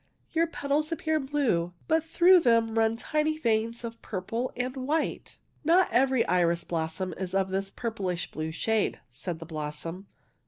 " Your petals appear blue, but through them run tiny veins of purple and white." '' Not every iris blossom is of this purplish blue shade," said the blossom.